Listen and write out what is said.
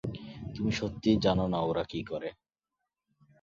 তুমি সত্যিই জানো না ওরা কী করে?